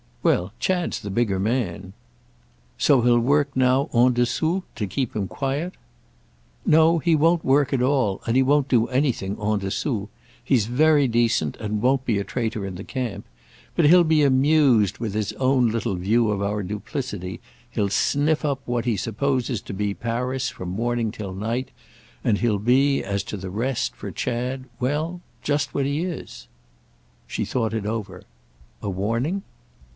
"Well, Chad's the bigger man." "So he'll work now, en dessous, to keep him quiet?" "No—he won't 'work' at all, and he won't do anything en dessous. He's very decent and won't be a traitor in the camp. But he'll be amused with his own little view of our duplicity, he'll sniff up what he supposes to be Paris from morning till night, and he'll be, as to the rest, for Chad—well, just what he is." She thought it over. "A warning?"